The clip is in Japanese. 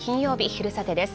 「昼サテ」です。